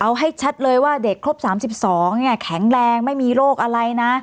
เอาให้ชัดเลยว่าเด็กครบ๓๒แข็งแรงไม่มีโรคอะไรนะ